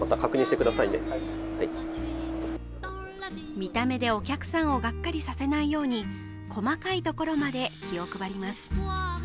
見た目でお客さんをがっかりさせないように、細かいところまで気を配ります。